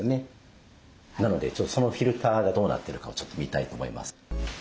なのでそのフィルターがどうなってるかを見たいと思います。